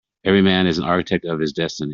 Every man is the architect of his destiny.